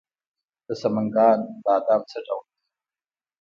د سمنګان بادام څه ډول دي؟